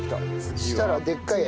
そしたらでっかいやつ。